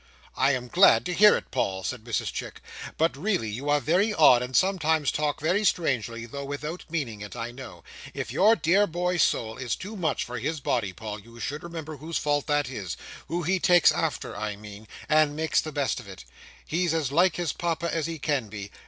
"I am glad to hear it, Paul," said Mrs Chick; "but really you are very odd, and sometimes talk very strangely, though without meaning it, I know. If your dear boy's soul is too much for his body, Paul, you should remember whose fault that is—who he takes after, I mean—and make the best of it. He's as like his Papa as he can be.